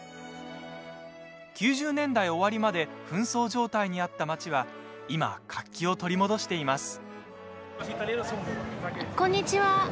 ９０年代終わりまで紛争状態にあった街は今、活気を取り戻しています。